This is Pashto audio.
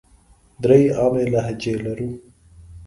درې عامې لهجې لرو.